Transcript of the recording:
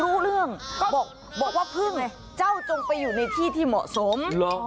รู้เรื่องบอกว่าพึ่งไงเจ้าจงไปอยู่ในที่ที่เหมาะสม